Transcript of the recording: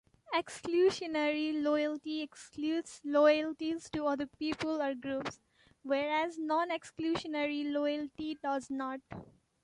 Exclusionary loyalty excludes loyalties to other people or groups; whereas non-exclusionary loyalty does not.